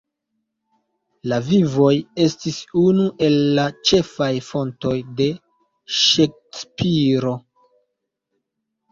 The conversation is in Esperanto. La "Vivoj" estis unu el la ĉefaj fontoj de Ŝekspiro.